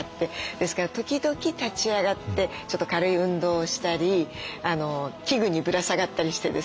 ですから時々立ち上がってちょっと軽い運動をしたり器具にぶら下がったりしてですね。